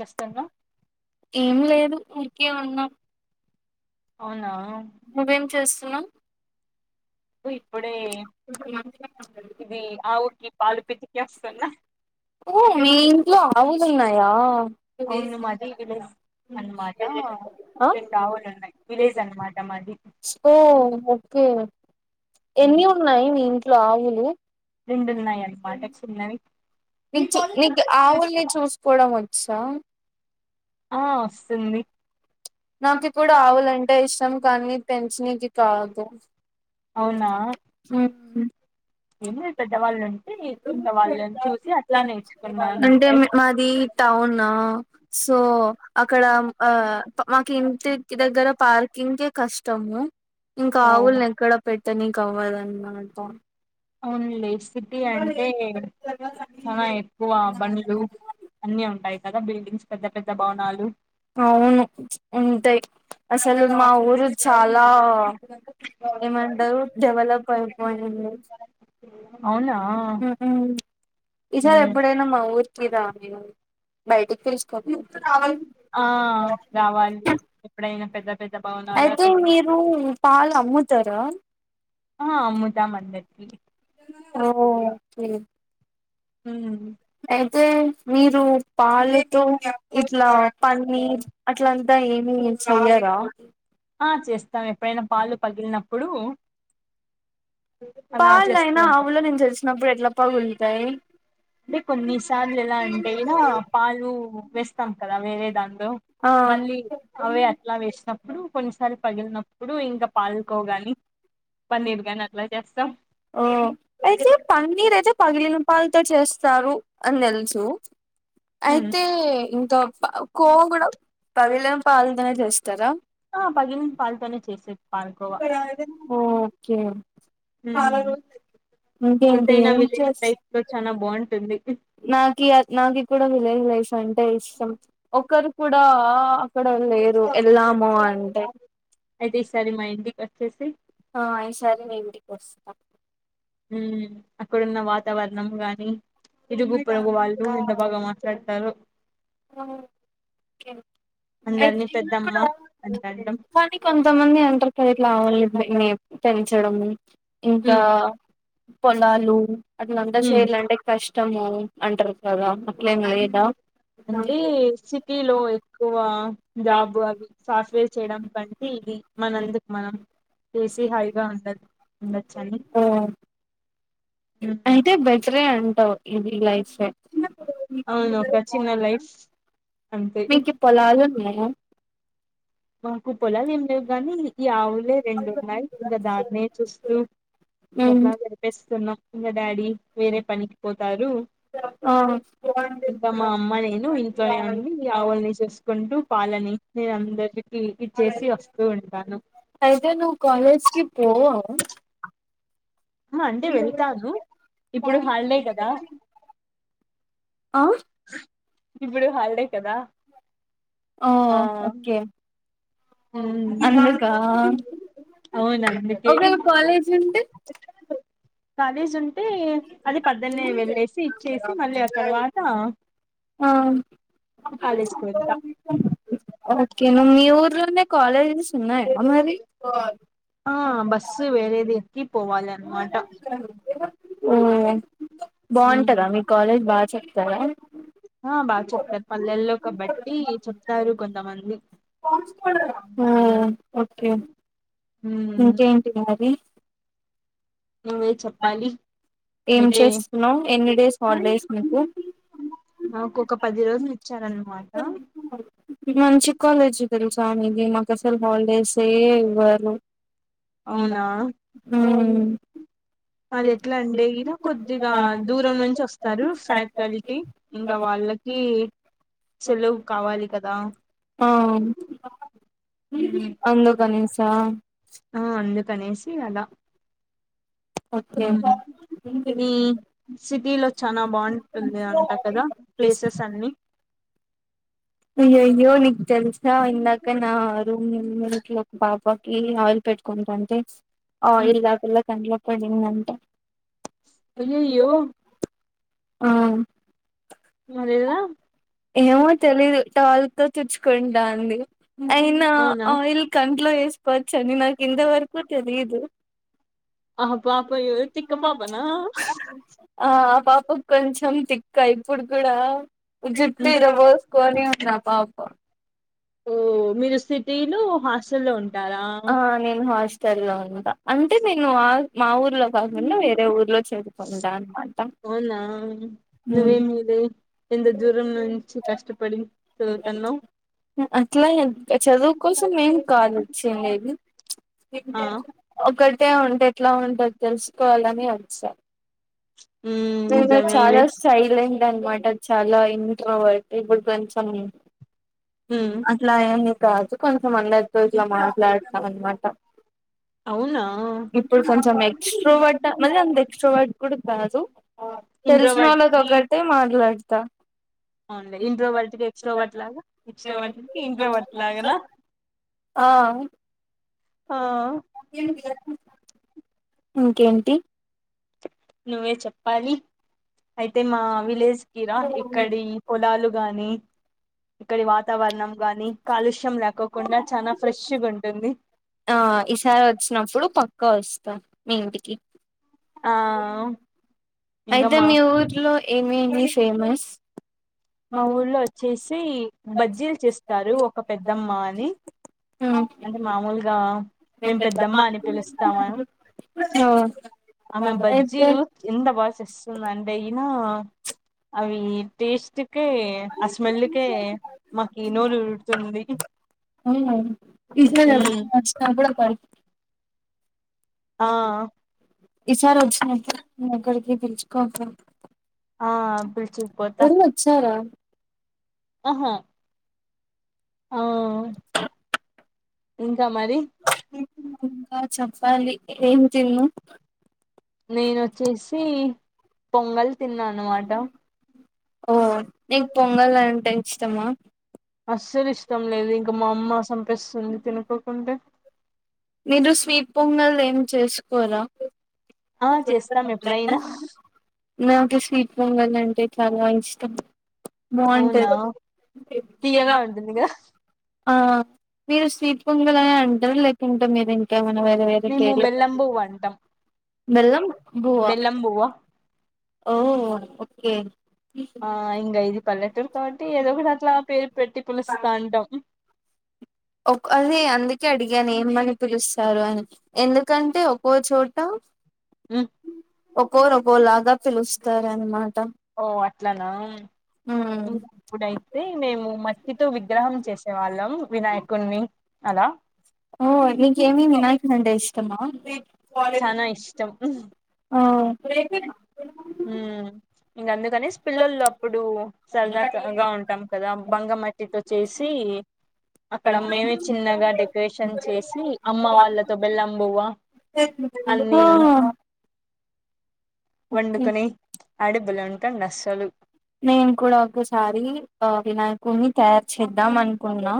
జస్తల ఏం లేదు ఊరికే ఉన్నాం. అవునా. నువ్వేం చేస్ ఉన్నాం ఇప్పుడే ఇది ఆవుకి పాలు పితికేస్తున్న. ఓ మీ ఇంట్లో ఆవులు ఉన్నాయా అవును మది విలేజ్ అనమాట ఆ నేను కావాలన్నాయి విలేజ్ అనమాట మాది ఓ ఓకే ఎన్ని ఉన్నాయి మీ ఇంట్లో ఆవులు రెండున్నాయి అన్నమాట చిన్నవి నీ చి నీకు ఆవుల్ని చూసుకోవడం వచ్చా ఆ వస్తుంది నాకు కూడా ఆవులంటే ఇష్టం కానీ పెంచిననికి కాదు అవునా మ్మ్. ఏం లేదు పెద్దవాళ్ళు ఉంటే ఇంకా వాళ్ళని చూసి అట్లా నేర్చుకున్నాను అంటే అంతే మాది టౌన్ సో అక్కడ ఆ మాకు ఇంటి దగ్గర పార్కింగ్ కి కష్టము ఇంకా ఓ ఆవుల్ని ఎక్కడ పెట్ తని కవ్వదామాట అవునులే సిటీ అంటే చాలా ఎక్కువ బండ్లు అన్ని ఉంటాయి కదా బిల్డింగ్స్ పెద్ద పెద్ద భవనాలు అవును ఉంటాయి అసలు మా ఊరు చాలా ఏమంటారు డెవలప్ అయిపోయింది అవునా ఇసార్ ఎప్పుడైనా మా ఊరికి రండి బయటి [unintelligible] ఆ రావాలి ఎప్పుడైనా పెద్ద అయితే మీరు పాలు అమ్ముతారా [unintelligible] ఆ ముదా మ ఆ ఓకె మ్ అయితే మీరు పాలెట ఇట్లా పన్నీర్ అట్ల అంతా ఏం [unintelligible] చెయ్యరా ఆ చేస్తాం ఎప్పుడైనా పాలు పగిలినప్పుడు అలా చేస్తూ పాలైనా ఉంటాం ఆవుల నుంచొచ్చిప్పుడు ఎట్లా పగులుతాయి అంటే కొన్నిసార్లు ఎలా అంటే గినా పాలు వేస్తాం కదా వేరే దానిలో ఆ మళ్ళీ అవే అట్లా వేస్తాం ప్పుడు కొన్నిసార్లు పగిలినప్పుడు ఇంకా పాల్కోవ్ గాలి ఓ ఐతే పన్నీర్ ఐ తే పగిలిన పాలతో చేస్తారు అని తెలుసు ఉమ్ ఐతే ఇంకా కోవా కూడా పగిలిన పాలు లోనే చేస్తారా పాల్కోవా ఓకే ఇంకేంటి ఎంతైనా ఏం విలేజ్ చేస్ టైప్ లో చానా బావుంటుంది నాకి నాకి కూడా విలేజ్ లైఫ్ అంటే ఇష్టం అక్కడ లేరు ఎళ్ళాము అంటే చ్చేసి ఆ ఈ సారి మీ ఇంటికోస్ అప్పు మ్ అక్కడున్న వాతావరణం గాని ఇరుగు పొరుగు వాళ్ళు ఎంత బాగా మాట్లాడ్తారో అయితే అందరినీ పెద్దమ్మ కూడా అంట అంటాం కానీ కొంతమంది అంటరు ట ఇట్లా ఆవుల్ని మే పెంచడము ఇంకా మ్మ్ పోలాలు అట్లంతా మ్మ్ చెయ్యాలంటే కష్ ఇష్టము అంటారు కదా అట్లే ఏందా అంటే సిటీలో ఎక్కువ జాబ్ అవి సాఫ్ట్వేర్ చేయడం కంటే ఇది మనందుకు మనం చేసి హాగా ఉండ ఉండచ్చు అని అయిదతే బెజర అం ఫ్ అవును ఒక చిన్న లైఫ్ అంతే మీకి పొలాలున్నయా మాకు పోలాలేం లేవు గానీ ఈ ఆవులే రెండున్నాయి. ఇంకా దాన్నే చూస్తూ ఇంక ఉమ్. అట్లా గడిపేస్తున్నాం ఇంకా డాడీ వేరే పనికి పోతారు. ఆ ఇంకా మా అమ్మ నేను ఇంట్లో ఉండి ఆవులని చూస్కుంటూ పాలని నేన్ అందరి అయితే నువ్ కాలేజ్కి పోవా అంటే వెళ్తాను ఇప్పుడు హల్డే కదా ఆ ఇప్పుడు హల్డే కదా ఆ ఓకే అవును. అందుకా అవును అందుకే కాలేజ్ ఉంటే అది పద్దన్నే వెళ్ళేసి ఇచ్చేసి మళ్ళీ ఆ తర్వాత ఆ కాలేజ్కి వెళ్తా ఓకే నువ్వు మీ ఊర్లోనే కాలేజెస్ ఉన్నాయా మరి కి పోవాలె అన్మాట మ్ ఉమ్, బాగుంటదా మీ కాలేజ్ బాగా చెప్తారా ఆ బాగా చెప్తారు. పల్లెల్లో కాబట్టి చెప్తారు కొంతమంది ఆ ఓకే ఉమ్ ఇంకేంటి మరి నువ్వే చెప్పాలి. ఏం అయితే చేస్తున్నవ్ ఎన్ని డేస్ హాలిడేస్ మీకు నాకు ఒక పది రోజులు ఇచ్చారన్నమాట. మంచి కాలేజ్ తెలుసమిది మ సలు హాలిడేస్ ఇవ్వారు అవునా అ అది ఎట్ల అంటే గిన కొద్దిగా దూరం నుంచి వస్తారు ఫ్యాకల్టీ ఇంకా వాళ్ళకి సెలవు కావాలి కదా ఆ ఉమ్, అందుకనేస్ ఆ ఆ అందుకనేసి అలా ఓకే మ్ మీ సిటీలో చానా బాగుంటుంది అంట కదా ప్లేసెస్ అన్ని అయ్య అయ్యో నికు తెలుసా ఇందాక నా రూమ్ ఒక పాపాకి ఆయిల్ పెట్టుకుంట అంటే ఆయిల్ ఆ పిల్ల కండ్ల్ పోయింది అంట అయ్యయ్యో ఆ అదేదా టవల్‌తో తుడుచుకుంటంది అయినా అవునా ఆయిల్ కంట్లో వేసుకోవచ్చు అని నాకు ఇంతవరకు తెలియదు ఆ పాప తిక్క పాపనా క ఇప్పుడు కూడా జుట్టు ఇరా బోస్కోని ఉం పాప్ప ఓ మీరు సిటీలు హాస్ సలోన్ ఆ నేను హాస్ టెల్లో ఉంట అంటే నేను ఆ మా ఊర్లో కాకుండా వేరే ఊర్లో చదువుకుంటా అనమా అవునా నువ్వే మేలే ఎంత దూరం నుంచి కష్టపడి. చదువతన్నావ్ అట్లాగె క చదువు కోసమేం కాదొచ్చిండేది ఆ ఒక. టే ఉంటే ఎట్లా ఉంటది తెలుసుకోవాలనే వచ్చా మ్మ్ మ్ చాలా నిజమేలే సైలెంట్ అనమాట చాలా ఇంట్రవర్ట్ ఇప్పుడు కొంచెం మ్మ్ అట్లా ఏమి కాదు కొంచం అందరితో ఇట్లా మాట్లాడతాం అన్నమాట అవునా ఇప్పుడు కొంచెం ఎక్స్ట్రోవర్ట్ మళ్ అంత ఎక్స్ట్రాో దాజు ఇంట్రోవర్ట్ తెల్సినోళ్ళతో ఒగటే మాట్లాడ్. త అవున్లే ఇంట్రోవర్ట్కి ఎక్స్ట్రోవర్ట్ లాగా ఎక్స్ట్రోవర్ట్కి ఇంట్రోవర్ట్ లాగనా. ఆ ఆ ఇంకేంటి నువ్వే చెప్పాలి ఐతే మా విలేజ్కిరా ఇక్కడి పొలాలు గాని. ఇక్కడి వాతావరణం గాని కాలుష్యం లేకోకుండా. చానా ఫ్రెష్ గుంటుంది. ఆ ఈసారొచ్చినప్పుడు పక్కా వొస్తా మీ ఇంటికి. ఆ ఇంకా ఐతే మా మీ ఊర్లో ఏమేమి ఫేమస్. మా ఊర్లో వొచ్చేసి బజ్జీల్ చేస్తారు ఒక పెద్దమ్మ అని అంటే మామూల్గా. మేమ్ పెద్దమ్మ అని పిలుస్తామమ్ అయితే ఉ అవి టేస్ట్ కే ఆ స్మెల్కే మాకి నోరూర్తుంది. ఉమ్ [unintelligible] ఎబ్బుడొత్తాడు. ఆ ఇసారొచ్చినప్పుడు అక్కడికి పిలుచుకొన్ పో. ఆ బిల్చ్. ఇరి వచ్చార ఆహా ఆ ఇంకా మరి అండి ఏం తిన్న నేనొచ్చేసి. పొంగల్ తిన్నా. అన్మాట ఓ నీక్ పొంగల్ అంటే ఇష్టమా. అస్సల్ ఇష్ టం లేదు ఇంక మామ్మ సంపేస్తుంది తిను. పోకుంటే మీరు స్వీట్ పొంగల్ ఏం చేసుకోరా ఆ చేస్తాం చేస్తాను ఎప్పుడైనా నోటీస్ సీట్ పొంగల్ అంటే చాలా ఇష్టం అవునా బాగుంటది తీయగా ఇలా ఉంటుంది కదా ఆ మీరు స్వీట్ పొంగలా ఆ అంటారు లేకుంటే మీరు ఇంకేమన్ వేర వేరు మేము కేర బెల్లం బువ్వ అంటాం బేల్లం బువ్వ బెల్లం బువ్వ ఓ ఓకే ఆ ఇంకా ఇది పల్లెటూరు కాబట్టి ఏదో ఒక అట్లా పేరు పెట్టి పిలుస్తా అంటాం అదే అందుకే అడిగా నే అమ్మని పిలుస్తారు అని ఎందుకంటే ఒక్కో చోట మ్మ్ ఒక్కోరుక్కోలాగా పిలుస్తార అనమాట ఓ అట్లానా అప్పుడైతే మేము మట్టితో విగ్రహం చేసే వాళ్ళం వినాయకున్నీ అలా ఓ నీకేమి వినాయకుడు అంటే ఇష్టమా చానా ఇష్టం రేపేనా ఇంక అందుకనే పిల్లలు అప్పుడు సరదాగా ఉంటాం కదా బంగమట్టితో చేసి అక్కడ మేమే చిన్నగా డెకరేషన్ చేసి అమ్మ వాళ్ళతో బెల్లం బువ్వ ఓ అన్ని ఓకే. వండుకనే ఆడ బల ఉంటడు అస్సలు నేన్ కూడా ఒక సారి ఆ వినాయ కూని తయారు చేద్దాం అనుకున్నా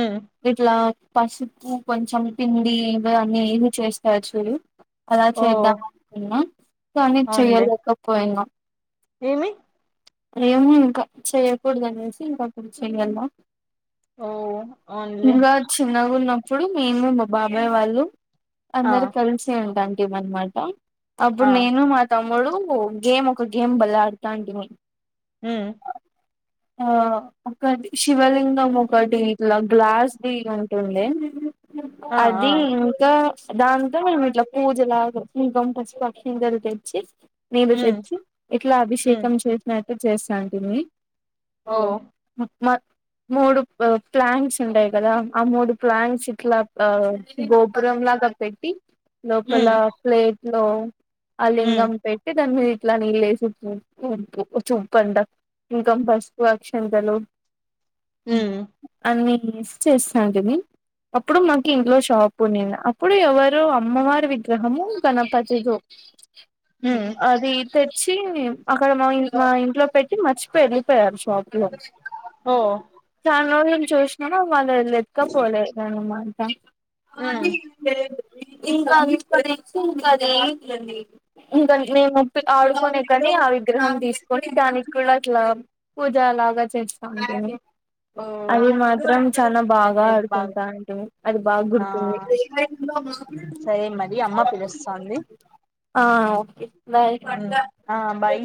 ఉమ్ ఇట్లా పసుపు కొంచెం పిండి ఇవ అన్న ఏవి చేస్తారు చూరు అలా ఓ చేద్దామనుకున్నాం కాని అవునులే చెయాలక పోయినా ఏమి ఏేమో ఇంకా చెయ్యకూడదు అనేసి ఇంకా అప్పుడు చెయ్యలా ఓ అవున్లే ఇంగ చిన్న ఉన్నప్పుడు మేము మా బాబాయ్ వాళ్ళు అ ఆ మరి కరెన్సీ ఉంటా అనమాట ఆ అప్పుడు నేను మా తమ్ముడు గేమ్ ఒక గేమ్ బాలే ఆడతా టిమి మేము హ ఆ ఒకటి శివలింగం ఒకటి ఇట్లా గ్లాస్ ది ఉంటుంది ఆ ఆ అది ఇంకా దాంతో మేము ఇట్లా పూజలాగా ఇంకం పస్తా సింగల్ తెచి నీళ్ళు ఉమ్ తెచ్చి ఇట్లా ఉమ్ అభిషేకం చె అట్ట చేసాంటిమీ ఓ మూడు ప్లాంట్స్ ఉంటాయి కదా ఆ మూడు ప్లాన్ట్స్ ఇట్లా గోపుురంలాగా పెట్టి లోపల ఉమ్ ప్లేట్ లో ఆ ఉమ్ లింగం పెట్టి దాని మీద ఇట్లా నీళ్ళ వేసి ంట చూపండా ఇంకా బస్త అక్షంతలు ఉమ్ అన్నీ చేస్తుా కది అప్పుడు మాకు ఇంట్లో షాపు నిను అప్పుడు ఎవరు అమ్మవారి విగ్రహము గణపతిలు ఉమ్ అది తెచ్చి అక్కడ మా మా ఇంట్లో పెట్టి మర్చిపోయి వెళ్ళిపోయారు షాపులో ఓ దాని రోజులను చూసిన వాళ్ళు లతుకపోలేదనమాట స ఉమ్ ఇంకా ఇంకా నేనుప్ప ఆడుకునే కానీ ఆ విగ్రహం తీసుకు దానికి కూడాట్లా పూజ లాగా చేస్తుతా ఉంటుంది ఓ అది మాత్రం చాలా బాగా అయితే బాగా ఆడుకుంటా ఉంటాము అది బాగా ఆ గుర్తుంది సరే మరి అమ్మ పిలుస్తాంది ఆ ఓకే బాయ్ ఉమ్ ఆ బాయ్